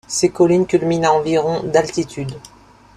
Ces collines culminent à environ d'altitude.